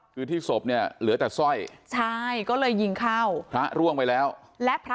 พี่ชายก็เลยว่าอ๋อ